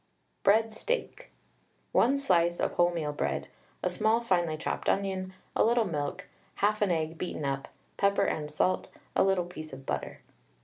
BREAD STEAK. One slice of Wholemeal bread, a small finely chopped onion, a little milk, half an egg beaten up, pepper and salt, a little piece of butter.